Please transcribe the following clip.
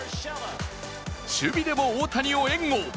守備でも大谷を援護。